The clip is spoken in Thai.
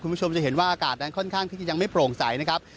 คุณผู้ชมจะเห็นว่าอากาศนั้นค่อนข้างที่จะยังไม่โปร่งใสนะครับ